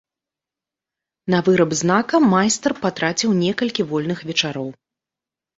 На выраб знака майстар патраціў некалькі вольных вечароў.